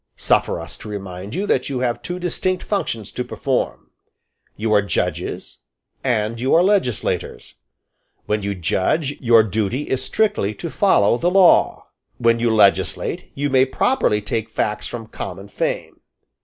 Suffer us to remind you that you have two distinct functions to perform. You are judges; and you are legislators. When you judge, your duty is strictly to follow the law. When you legislate, you may properly take facts from common fame.